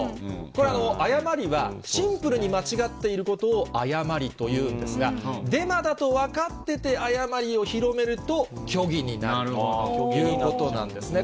これ、誤りはシンプルに間違っていることを誤りというんですが、デマだと分かってて、誤りを広めると虚偽になるということなんですね。